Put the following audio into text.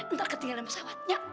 ntar ketinggalan pesawat ya